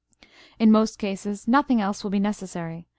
In most cases nothing else will be necessary.